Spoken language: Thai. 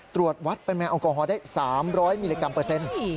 ตรวจวัดปริมาณแอลกอฮอลได้๓๐๐มิลลิกรัมเปอร์เซ็นต์